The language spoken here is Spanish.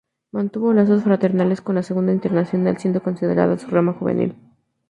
Mantuvo lazos fraternales con la Segunda Internacional, siendo considerada su rama juvenil.